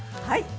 はい。